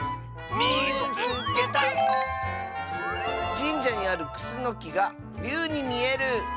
「じんじゃにあるくすのきがりゅうにみえる」。